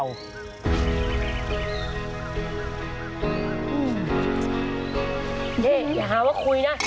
นี่อย่าหาว่าคุยนะ